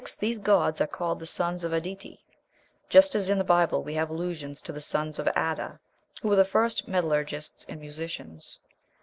These gods are called "the sons of Aditi," just as in the Bible we have allusions to "the sons of Adab," who were the first metallurgists and musicians.